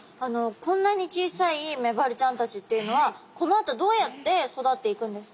こんなに小さいメバルちゃんたちっていうのはこのあとどうやって育っていくんですか？